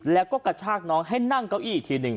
แล้วก็กระชากน้องให้นั่งเก้าอี้อีกทีหนึ่ง